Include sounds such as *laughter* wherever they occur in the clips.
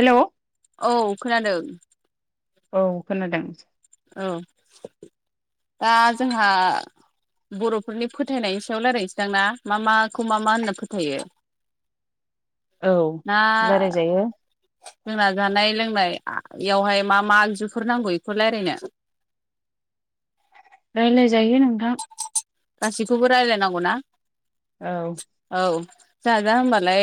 हेल' औ खोनादों औ खोनादों ओ दा जोंहा बर'फोरनि फोथायनायनि सायाव रायलायनोसैदांना मा माखौ मा मा होनना फोथायो औ ना रायलायजायो जोंना जानाय लोंनाय बेयावहाय मा मा आगजुफोर नांगौ बेखौ रायलायनो रायलाय जायो नोंथां गासैखौबो रायलायनांगौना औ जाहा दा होमबालाय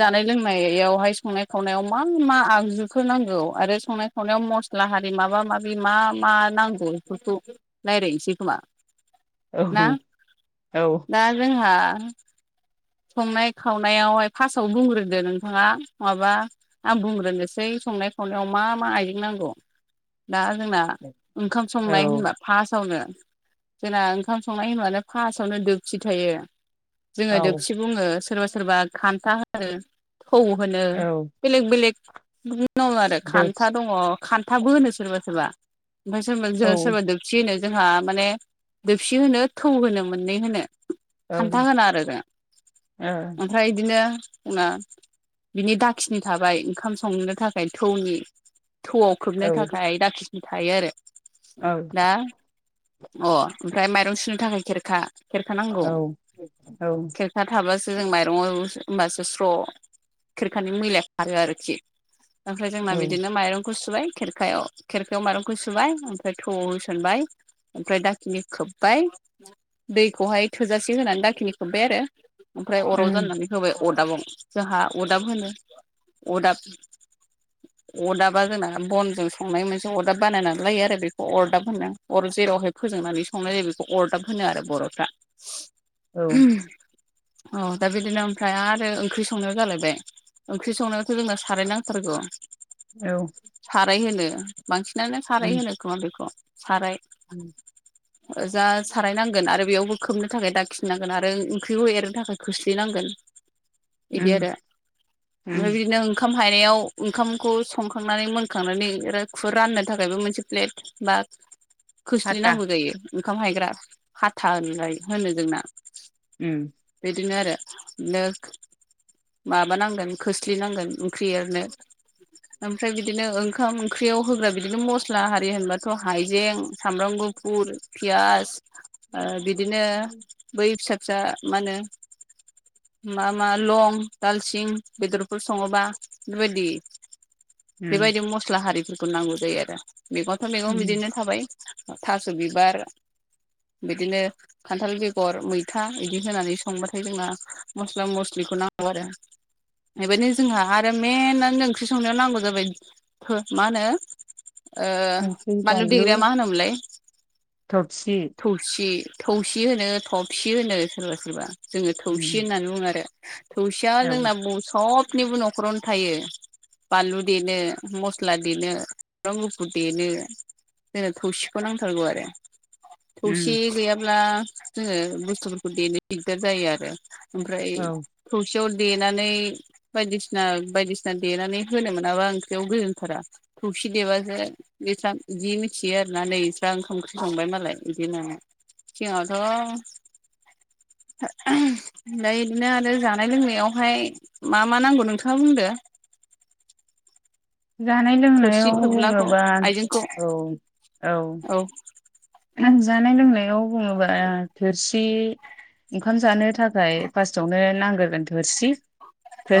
जानाय लोंनायावहाय संनाय खावनायाव मा मा आगजुफोर नांगौ आरो संनाय खावनायाव मस्ला हारि माबा माबि मा मा नांगौ बेफोरखौ' रायज्लायनोसै खोमा औ ना औ दा जोंहा संनाय खावनायावहाय फास्स्टआव बुंग्रोदो नोंथांङा नङाबा आं बुंग्रोनोसै संनाय खावनायाव मा मा आइजें नांगौ दा जोंना ओंखाम औ संनाय होनबा फास्स्टआवनो जोंना ओंखाम संनाय होनबानो फास्स्टआवनो दोबसि थायो जोङो औ दोबसि बुङो सोरबा सोरबा खान्था होनो थौ होनो बेलेग बेलेग बिदि दङ आरो खान्था दङ खान्थाबो होनो सोरबा सोरबा *unintelligible* सि नो जोंहा माने दोबसि होनो थौ होनो मोननै होनो खान्था होना आरो ओमफ्राय बिदिनो बिनि दाखिनि थाबाय ओंखाम संनो थाखाय थौनि थौआव खोबनो थाखाय दाखिनि थायो आरो दा अ ओमफ्राय माइरं सुनो थाखाय खेरखा औ औ खिरखा थाबासो जों माइरंआव होमबासो स्र' खिरखानि मैलाया खारो आरोखि ओमफ्राय जोंना बिदिनो माइरंखौ सुबाय खेरखा खायाव खेरखायाव माइरंखौ सुबाय ओमफ्राय थौआव होसनबाय ओमफ्राय दाखिनि खोब्बाय दैखौहाय थोजासे होनानै दाखिनि खोब्बाय आरो ओमफ्राय अराव जाननानै होबाय अरदाबाव जोंहा अरदाब होनो अरदाब अदाबा जोंना बनजों संनाय मोनसे अरदाब बानायनानै लायो आरो बेखौ अरदाब होनो अर जेरावहाय फोजोंनानै संनाय जायो बेखौ अरदाब होनो आरो बर'फ्रा औ औ दा बिदिनो ओमफ्राय आरो ओंख्रि संनायाव जालायबाय ओंख्रि संनायावथ' जोंना साराय नांथारगौ औ साराय होनो बांसिनानो साराय होनो खोमा बेखौ साराय उम जा सारायनांगोन आरो बेयावबो खोबनो थाखाय दाखिनांगोन आरो ओंख्रिखौ एरनो थाखाय खोस्लिनांगोन बिदि आरो ओमफ्राय बिदिनो ओंखाम हायनायाव ओंखामखौ संखांनानै मोनखांनानै खुर राननो थाखायबो मोनसे प्लेट बा हाथा खोस्लिनांगौ जायो ओंखाम हायग्रा हाथा होन होनो जोंना उम बिदिनो आरो दा माबा नांगोन खोस्लि नांगोन ओंख्रि एरनो ओमफ्राय बिदिनो ओंखाम ओंख्रियाव होग्रा बिदिनो मस्ला आरारि होनबाथ' हाइजें सामब्राम गुफुर गुरु फियास बिदिनो बै फिसा जा मा होनो मा मा लं दालसिं बेदरफोर सङोबा बेबायदि बेबायदि मस्ला हारिफोरखौ नांगौ जायो आरो मैगंथ' मैगं बिदिनो थाबाय थास' बिबार बिदिनो खान्थाल बेगर मैथा था बिदि होनानै संबाथाय जोंना मस्ला मस्लिखौ नांगौ आरो बेबायदिनो जोंहा आरो मेेनानो ओंख्रि संनायाव नांगौ जाबाय मा होनो बानलु देग्राया मा होनोमलाय थबसि थौसि थौसि होनो थफसि होनो सोरबा सोरबा जोङो थौसि उम होननानै बुङो आरो थौसिया औ उम जोंना ब सबनिबो न'खरावनो थायो बानलु देनो मस्ला देनो सामषब्राम गुफुर देनो जोंनो थौसिखौ नांथारगौ आरो थौसि गैयाब्ला जोङो बुस्थुफोरखौ देनो दिगदार जायो आरो ओमफ्राय औ थौसियाव देनानै बायदिसिना बायदिसिना देनानै होनो मोनाबा ओंख्रियाव गोजोनथारा थौखि देबासो बिस्रा बिदि मिथियो आरोना नै बिस्रा ओंखाम ओंख्रि संबाय मालाय बिदि होननानै सिगांङावथ ओमफ्राय बिदिनो आरो जानाय लोंनायावहाय मा मा नांगौ नोंथाङा बुंदो जानाय थोरसि लोंनायाव थोब्लाखौ जेन'बा आइजेंखौ औ औ आं जानाय लोंनायाव बुङोबा थोरसि ओंखाम जानो थाखाय फार्स्टआवनो नांग्रोगोन थोरसि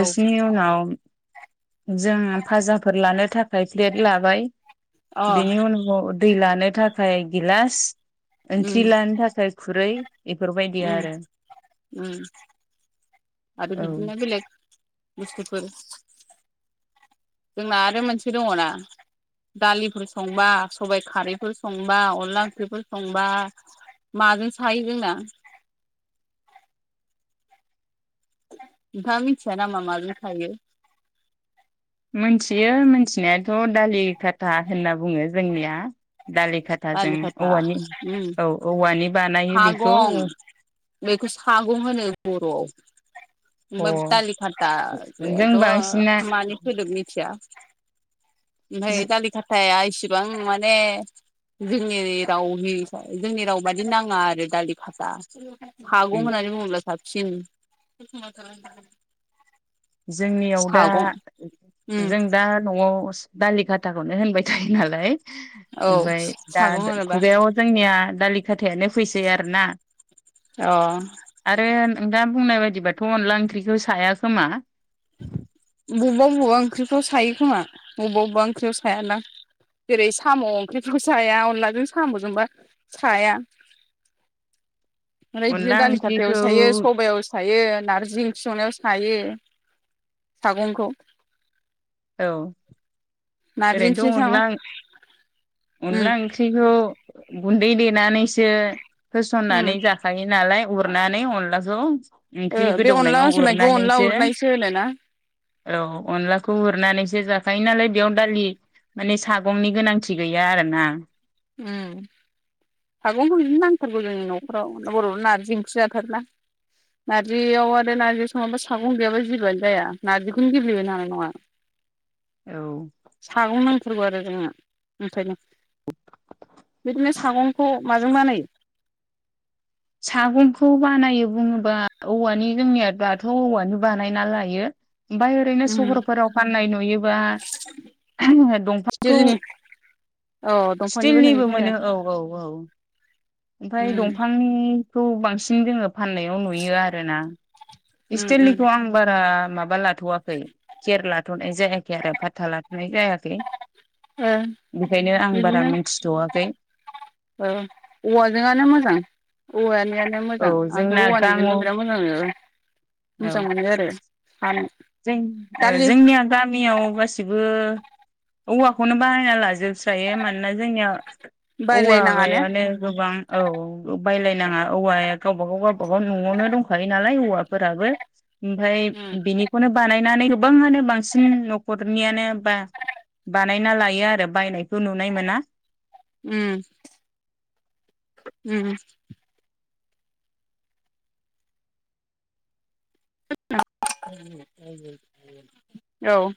औ उनाव जों फाजाफोर लानो थाखाय प्लेट लाबाय अ बेनि उनाव दै लानो थाखाय गिलास उम ओंख्रि लानो थाखाय खुरै बेफोरबायदि उम आरो उम आरो औ बिदिना बेलग बुसथुफोर जोंना आरो मोनसे दङना दालिफोर संबा सबायाइ खारैफोर संबा अनला ओंख्रिफोर संबा माजों सायो जोंना नोंथांङा मिथिया नामा माजों सायो मोनथियो मिथिनायाथ' दालि खाथा होनना बुङो जोंनिया दालि खाथा दा जोंङ दालि खाथा औवानि उम औ औवानि बानायो बेखौ सागं बेखौ सागं होनो बर'आव अ दालि जों खाथायाथ' बांसिना मानि सदोब मिथिया ओमफ्राय दालि खाथाया इसिबां माने जोंनि रावनि जोंनि राव बादि नाङा आरो दालि खाथा सागं होननानै बुंङोब्ला साबसिन जोंनियाव दा सागं उम जों दा न'आव दालि खााटाखौनो होनबाय थायो नालाय *inaudible* ओमफ्राय दा सागं होनोबा खुगायाव जोंनिया दालि खाथायानो फैसै आरो ना अ आरो नों दा बुंनाय बायदिबाथ' अनला ओंख्रिखौ साया खोमा बबेबा बबेबा ओंख्रिफ्राव सायो खोमा बबेबा बबेबा ओंख्रियाव सायानदां जेरै साम' ओंख्रिफोरखौ साया अनलाजों साम'जोंबा साया ओमफ्राय बिदिनो अनला दालि खाथायाव ओंख्रिखौ सायो सबायाव सायो सायो नारजि ओंख्रि संनायाव सायो सागंखौ औ नारजि ओरैनोथ' ओंख्रि सागं अनला उम अनला ओंख्रै बेखौ गुन्दै देनानैसो उम होसननानै जाखायो जायो नालाय उरनानै अनलाखौ ओ ओंख्रि बे अनला गोदौनायाव होसननायखौ अनला उरनानैसो उरनायसो होनो ना औ अनलाखौ खौ उरनानैसो जाखायो नालाय बेयाव दालि माने सागंनि गोनांथि गैया आरो ना उम सागंखौ बिदिनो नांथारगौ जोंनि नखराव बर'फ्रा नारजि ओंख्रि जाथारोना नारजियाव आरो नारजि सङाबा सागं गैयाबा जेबोआनो जाया नारजिखौनो गेबले होनो नङा *inaudible* औ सागं नांथारगौ आरो जोनो ओंखायनो *inaudible* बिदिनो सागंखौ माजों बानायो सागंखौ बानायो बुङोबा औवानि जोंनिया दाथ' औवानि बानायना लायो ओमफफ्राय ओरैनो उम सहरफोराव फाननाय नुयोबा दंफांखौ स्टिलनि औ दंफांनिबो स्टिलनिबो नुयोथ' आरो मोनो औ औ औ ओमफ्राय उम दंफां खौ बांसिन जोङो फाननायाव नुयो आरोना उम उम इस्टेलिखौ आं बारा माबा लाथ'वाखै खेर लाथ'नाय जायाखै आरो फाथथा लाथ'नाय जायाखै ओ बेखायनो आं बारा बिदिनो मिथिथ'वाखै औ औवाजोंआनो मोजां औवानियानो बिराद औ मोजां आंथ' जोंना गामु औवानिजोंनो बिराद मोजां औ मोजां मोनो आरो हानो जों दालि जोंनिया गामियाव गासिबो औवाखौनो बाहायना लाजोबस्रायो मानोना जोंनिया बायलायनाङा ने औवायानो गोबां औ बायलायनाङा औवाया गावबा गाव गावबाागाव न'आवनो दंखायो नालाय औवाफोराबो ओमफ्राय उम बिनिखौनो बानायनानै गोबाङानो बांसिन न'खरनियानो बा बानायना लायो आरो बायनायखौ नुनाय मोना उम उम औ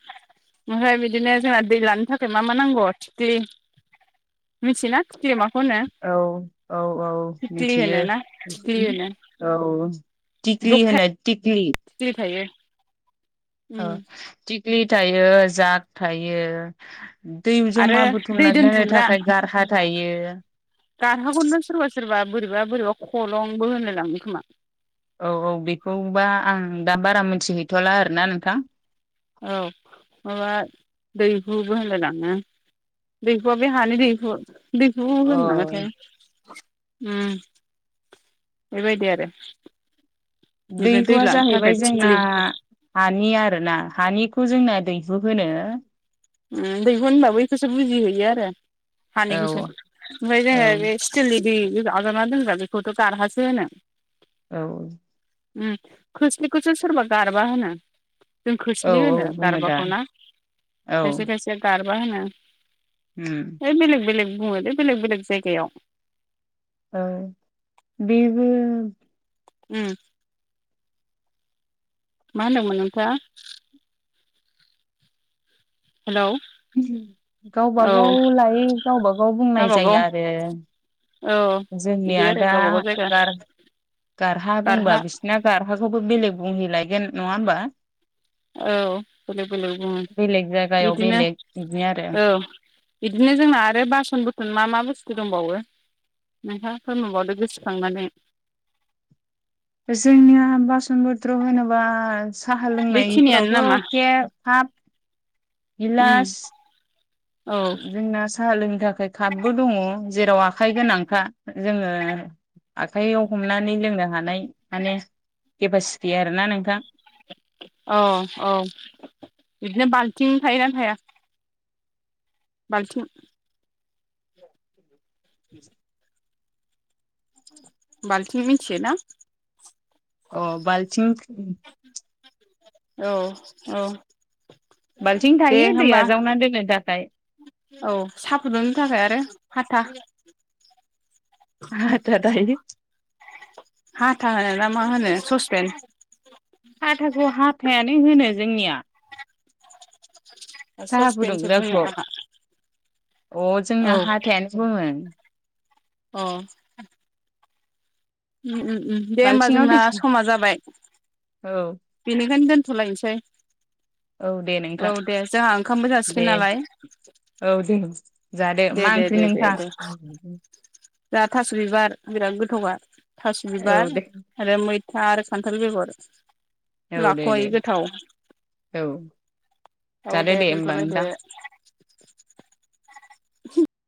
ओमफ्राय बिदिनो जोंना दै लानो थाखाय मा मा नांगौ थिकलि मिथियोना थिकलिया माखौ होनो औ औ औ थिख्लि मिथियो होनो ना थिख्लि होनो औ थिकलि होनो थिकलि थिखलि थायो औ उम थिग्लि थायो जाग थायो दै आरो जमा दै बुथुमनानै होनो दोनथुमग्रा थाखाय गारहा थायो दारहागौनो सोरबा सोरबा बोरैबा बोरैबा खलंबो होनलायलांङो खोमा औ औ बेखौबा आं दा बारा मोनथिहैथ'ला आरोना नोंथां औ माबा दैहुबो होनलायलाङो बिखुआ बे हानिु दिहु बेखो होनो नामाथाइ उम बेबायदि आरो ओमफ्राय दै दैहुआ लानो जाहैबाय थाखाय जोंना थिख्लि हानि आरो ना हानिखौ जोंना दैहु होनो दैहुन होनबो बेखौसो बुजिहैयो आरो औ हानिखौसो ओमफ्राय औ जोङो बे आजावना दोनग्रा बेखौथ' गारहासो होनो औ खोस्लिखौसो सोरबा गारबा होनो जों औ खोस्लि होनो बुङो दा गारबाखौ ना औ खायसे खायसेया गारबा होना उम है बेलेग बेलेग बुंङो बेलेग जायगायाव औ बेबो उम मा होनदोंमोन नोंथाङा हेलौ गावबा औ गाव लायै गावबागाव बुंनाय जायो गावबागाव आरो औ बिदि जोंनिया आरो दा गावबागाव जायगा गार गारहा बुंबा बिसिना गारहाखौबो बेलेग बुंहैलायगोन नङा होमबा औ बेलेग बेलेग बुङो बेलेग जायगायाव बिदिनो बेलेग बिदि आरो औ बिदिनो जोंना आरो बासन बुरथन मा मा बुस्थु दंबावो नोंहा फोरमाबावदो गोसोखांनानै जोंनिया बासन बुत्र होनेनबा साहा बेखिनियानो नामा लोंनायफोरावथ' एखे खाफ उम गिलास औ जोंना साहा लोनि थाखाय कापबो दङ जेराव आखाइ गोनांखा जोङो आखाइयाव हमनानै लोंनो हानाय माने केपासिटि आरोना नोंथां औ औ बिदिनो बाल्थिं थायोना थाया बाल्थिं बि *unintelligible* बाल्टिनि मिथियो ना अ बालथिं औ औ बालथिं दे थायो दै होमबा आजावनानै दोननो थाखाय औ साहा फुदुंनो थाखाय आरो हाथा हाथा थायो हाथा होनो ना मा होनो ससपेन आटाखौ हाथायानो होनो जोंनिया *inaudible* साहा फुदुं बुङो ग्राखौ आंहा अ औ जोंना हाथायानो बुङो अ उम उम दे होमबा बाल्थिङाव दै जोंना समा जाबाय औ बेनिखायनो दोनथ'लायनोसै औ दे औ नोंथां दे जोंहा ओंखामबो दे जासिगोन नालाय औ दे जादो मा ओंख्रि नोंथां जाहा थास' बिबार बिराद गोथौबा थास' औ बिबार दे आरो मैथा आरो खान्थाल बेगर औ दे दे लाखहायि गोथाव औ औ जादो दे होमबा दोनथ'लायदो नोंथां। *inaudible*